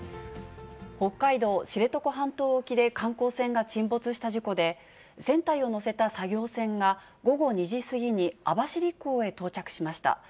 北海道知床半島沖で観光船が沈没した事故で、船体を載せた作業船が、午後２時過ぎに網走港へ到着しました。